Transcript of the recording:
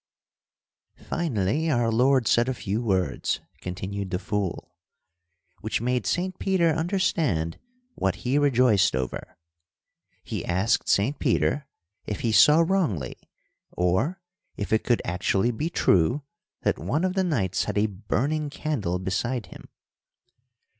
"Finally, our Lord said a few words," continued the fool, "which made Saint Peter understand what He rejoiced over. He asked Saint Peter if He saw wrongly, or if it could actually be true that one of the knights had a burning candle beside him."